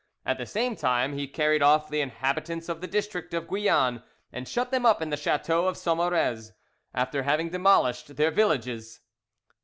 At the same time he carried off the inhabitants of the district of Guillan and shut them up in the chateau of Sommerez, after having demolished their villages.